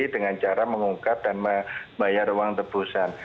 dengan cara mengungkap dan membayar uang tebusan